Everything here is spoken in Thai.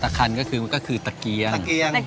ตะคันก็คือตะเกียง